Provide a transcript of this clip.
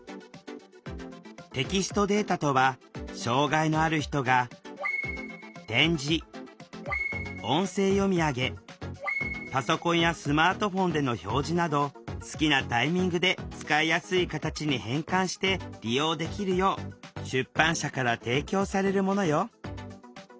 テキストデータとは障害のある人が点字音声読み上げパソコンやスマートフォンでの表示など好きなタイミングで使いやすい形に変換して利用できるよう出版社から提供されるものよ。